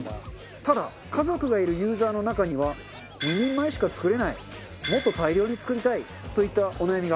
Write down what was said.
ただ家族がいるユーザーの中には２人前しか作れないもっと大量に作りたいといったお悩みが。